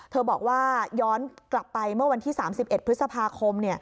บอกว่าย้อนกลับไปเมื่อวันที่๓๑พฤษภาคม